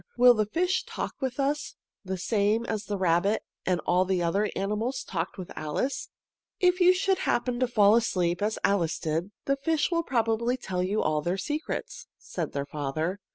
Will the fish talk with us, the same as the rabbit and all the other animals talked with Alice?" "If you should happen to fall asleep, as Alice did, the fish will probably tell you all their secrets," said her father.